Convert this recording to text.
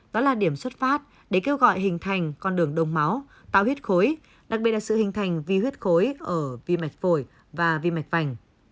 đó là điểm xuất phát để kêu gọi hình thành con đường đông máu tạo huyết khối đặc biệt là sự hình thành vi huyết khối ở vi mạch phổi và vi mạch vành